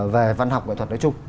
về văn học văn thuật nói chung